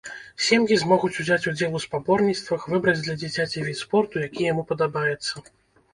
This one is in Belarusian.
Сем'і змогуць узяць удзел у спаборніцтвах, выбраць для дзіцяці від спорту, які яму падабаецца.